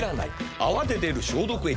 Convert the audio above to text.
「泡で出る消毒液」は。